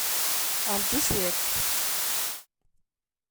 Ṛju cwiṭ.